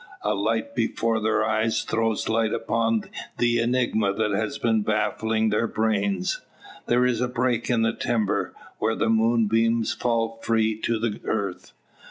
A light before their eyes throws light upon the enigma that has been baffling their brains. There is a break in the timber, where the moonbeams fall free to the earth.